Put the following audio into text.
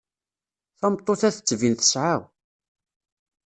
Tameṭṭut-a tettbin tesεa.